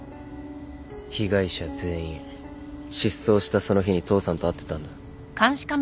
被害者全員失踪したその日に父さんと会ってたんだ。